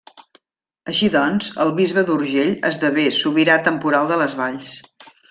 Així doncs el bisbe d'Urgell esdevé sobirà temporal de les valls.